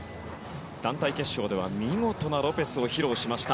団体決勝では見事なロペスを披露しました。